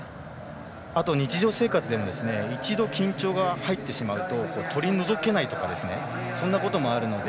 日常生活でも一度、緊張が入ってしまうと取り除けないとかそんなこともあるので。